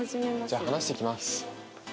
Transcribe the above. じゃあ話してきます。